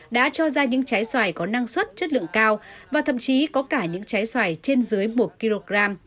đã cho ra những trái xoài có năng suất chất lượng cao và thậm chí có cả những trái xoài trên dưới một kg